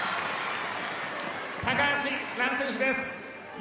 高橋藍選手です。